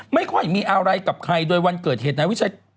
ไม่ค่อยมีอะไรกับใครโดยวันเกิดเหตุนายวิชัย